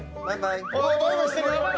バイバイしてるよ！